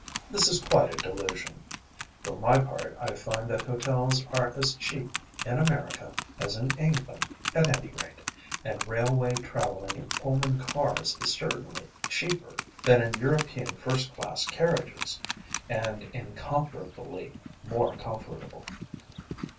This is quite a delusion. For my part I find that hotels are as cheap in America as in England at any rate, and railway traveling in Pullman cars is certainly cheaper than in European first class carriages, and incomparably more comfortable.